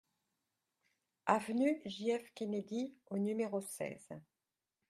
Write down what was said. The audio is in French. Avenue J F Kennedy au numéro seize